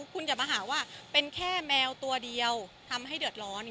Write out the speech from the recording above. คุณอย่ามาหาว่าเป็นแค่แมวตัวเดียวทำให้เดือดร้อน